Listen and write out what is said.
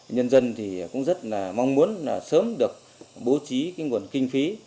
nhân dân thì cũng rất là mong muốn là sớm được bố trí cái nguồn kinh phí